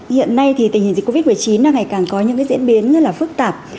hiện nay tình hình dịch covid một mươi chín đang ngày càng có những diễn biến rất phức tạp